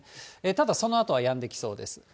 ただそのあとはやんできそうです。